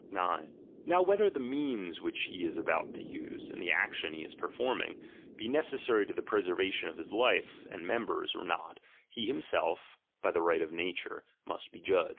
^^m 9, NovF whether the means which be is about to By the ligw use, and the action he is performing, be necessary man is judwa to the preser/ation of his life and members or not, ^^'^,^^^^ lie himself, by the right of nature, must be judge.